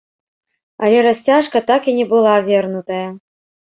Але расцяжка так і не была вернутая.